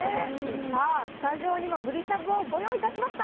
さあスタジオにもぶりしゃぶをご用意いたしました。